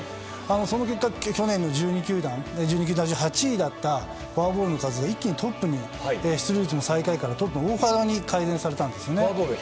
その結果、去年１２球団中８位だったフォアボールの数を一気にトップに出塁率も最下位からトップに大幅に改善されたんですね。